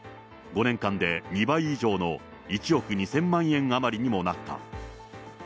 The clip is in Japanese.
５年間で２倍以上の１億２０００万円余りにもなった。